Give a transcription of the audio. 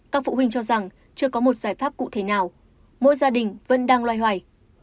các phụ huynh cho rằng chưa có một giải pháp cụ thể nào mỗi gia đình vẫn đang loay hoài